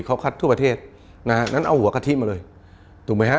เขาคัดทั่วประเทศนะฮะงั้นเอาหัวกะทิมาเลยถูกไหมฮะ